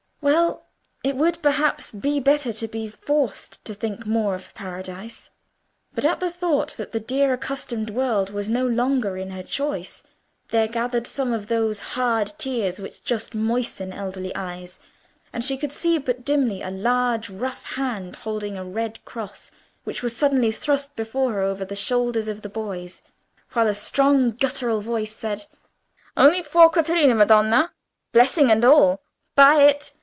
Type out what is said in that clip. Well! it would, perhaps, be better to be forced to think more of Paradise. But at the thought that the dear accustomed world was no longer in her choice, there gathered some of those hard tears which just moisten elderly eyes, and she could see but dimly a large rough hand holding a red cross, which was suddenly thrust before her over the shoulders of the boys, while a strong guttural voice said— "Only four quattrini, madonna, blessing and all! Buy it.